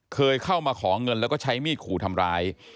เคยเข้ามาขอเงินแล้วก็ใช้มีดขู่ทำร้าย